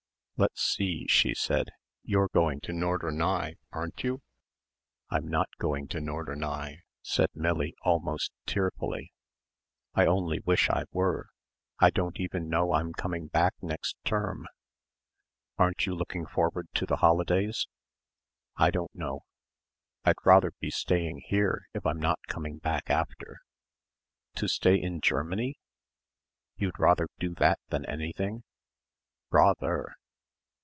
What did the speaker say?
"Let's see," she said, "you're going to Norderney, aren't you?" "I'm not going to Norderney," said Millie almost tearfully. "I only wish I were. I don't even know I'm coming back next term." "Aren't you looking forward to the holidays?" "I don't know. I'd rather be staying here if I'm not coming back after." "To stay in Germany? You'd rather do that than anything?" "_Rather.